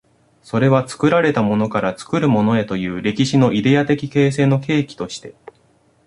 それは作られたものから作るものへという歴史のイデヤ的形成の契機として、